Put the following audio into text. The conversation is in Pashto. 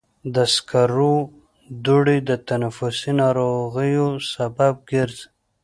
د سکرو دوړې د تنفسي ناروغیو سبب ګرځي.